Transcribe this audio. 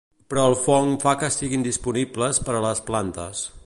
Però el fong fa que siguin disponibles per a les plantes.